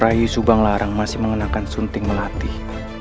rayu subang larang masih mengenakan sunting melatih